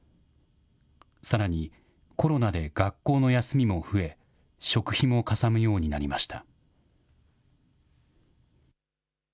さらに、コロナで学校の休みも増え、食費もかさむようになりました。